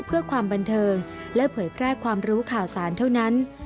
เพื่อความบันเทิงและเผยแพร่ความรู้ข่าวสารเท่านั้น